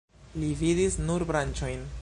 Li vidis nur branĉojn.